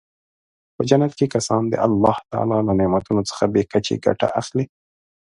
په جنت کې کسان د الله تعالی له نعمتونو څخه بې کچې ګټه اخلي.